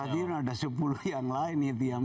karena saat ini ada sepuluh yang lain yang bisa pegang